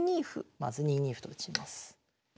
まず２二歩と打ちます。